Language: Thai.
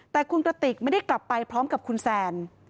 แต่คุณกระติกไม่ได้กลับไปพร้อมกับคุณแซน